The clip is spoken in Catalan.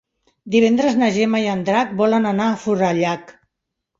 Divendres na Gemma i en Drac volen anar a Forallac.